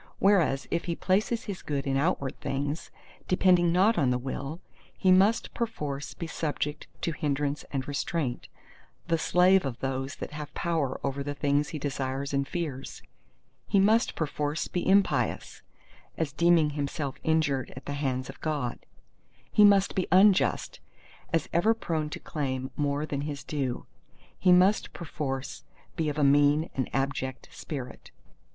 Whereas if he place his good in outward things, depending not on the will, he must perforce be subject to hindrance and restraint, the slave of those that have power over the things he desires and fears; he must perforce be impious, as deeming himself injured at the hands of God; he must be unjust, as ever prone to claim more than his due; he must perforce be of a mean and abject spirit.